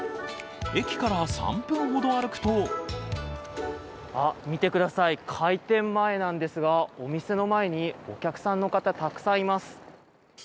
駅から３分ほど歩くと見てください、開店前なんですがお店の前にお客さんの方、たくさんいます。